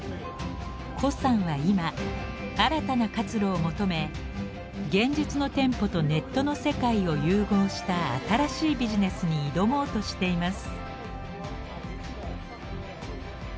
胡さんは今新たな活路を求め現実の店舗とネットの世界を融合した新しいビジネスに挑もうとしています。